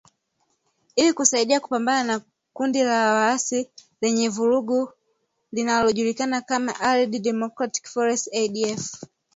Ili kusaidia kupambana na kundi la waasi lenye vurugu linalojulikana kama Allied Democratic Forces (ADF)